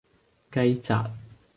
雞扎